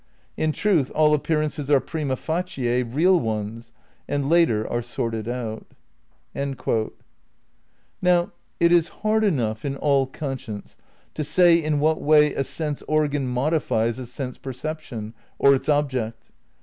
In truth all appearances are prima facie real ones, and later are sorted out." ^ Now it is hard enough in all conscience to say in what way a sense organ modifies a sense perception — or its object.